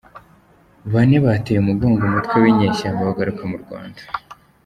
Bane bateye umugongo umutwe winyeshyamba bagaruka mu Rwanda